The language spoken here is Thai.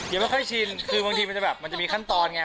ยังไม่ค่อยชินคือบางทีมันจะแบบมันจะมีขั้นตอนไง